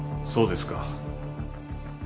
そうですか。